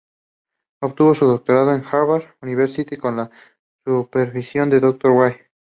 Obtuvo su doctorado en Harvard University con la supervisión del Dr. Gray.